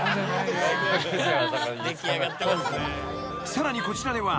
［さらにこちらでは］